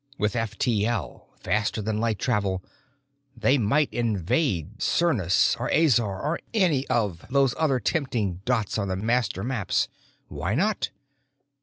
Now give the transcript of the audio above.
With F T L—faster than light travel—they might invade Curnus or Azor or any of those other tempting dots on the master maps. Why not?